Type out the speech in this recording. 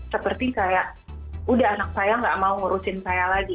seperti kayak udah anak saya gak mau ngurusin saya lagi